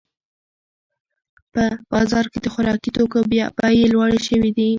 په بازار کې د خوراکي توکو بیې لوړې شوې دي.